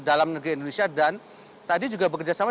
dalam negeri indonesia dan tadi juga bekerjasama